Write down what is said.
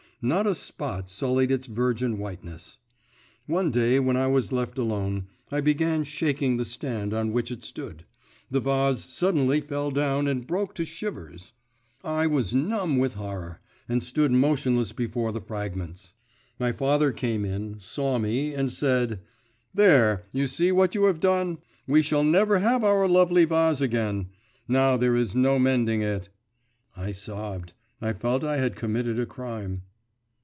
Not a spot sullied its virgin whiteness. One day when I was left alone, I began shaking the stand on which it stood … the vase suddenly fell down and broke to shivers. I was numb with horror, and stood motionless before the fragments. My father came in, saw me, and said, 'There, see what you have done; we shall never have our lovely vase again; now there is no mending it!' I sobbed. I felt I had committed a crime.